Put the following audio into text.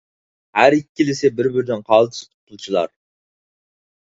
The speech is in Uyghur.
ھەر ئىككىلىسى بىر-بىرىدىن قالتىس پۇتبولچىلار.